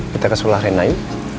kita ke sekolah renayu